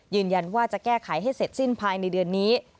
ยืนยันว่าจะแก้ไขให้เสร็จสิ้นภายในเดือนนี้